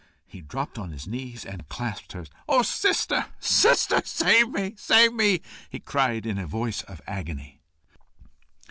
He dropped on his knees, and clasped hers. "O sister! sister! save me, save me!" he cried in a voice of agony.